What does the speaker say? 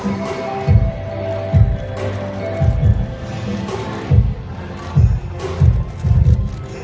สโลแมคริปราบาล